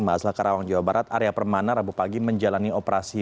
mas laka rawang jawa barat area permana rabu pagi menjalani operasi